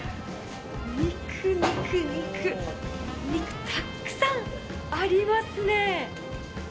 肉、肉、肉肉たくさんありますね。